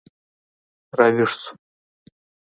راویښ شو